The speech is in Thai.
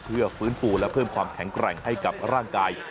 เพื่อฟื้นฟูและเพิ่มความแข็งแกร่งให้กับร่างกาย